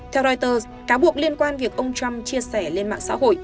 theo reuters cáo buộc liên quan việc ông trump chia sẻ lên mạng xã hội